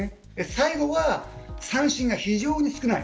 最後は、三振が非常に少ない。